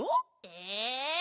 え。